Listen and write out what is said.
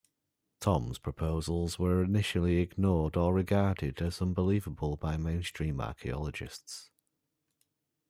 Thom's proposals were initially ignored or regarded as unbelievable by mainstream archaeologists.